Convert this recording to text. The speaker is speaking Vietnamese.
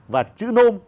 và chữ nôm